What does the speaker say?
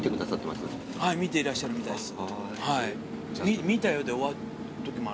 見ていらっしゃるみたいです。